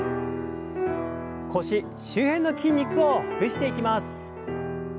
腰周辺の筋肉をほぐしていきます。